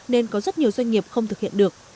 nên có rất nhiều doanh nghiệp không thực hiện được